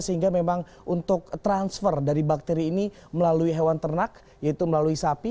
sehingga memang untuk transfer dari bakteri ini melalui hewan ternak yaitu melalui sapi